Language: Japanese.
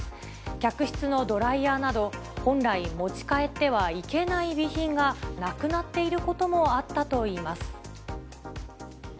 客室のドライヤーなど、本来、持ち帰ってはいけない備品がなくなっていることもあったといいます。